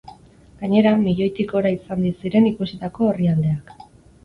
Gainera, milioitik gora izan ziren ikusitako orrialdeak.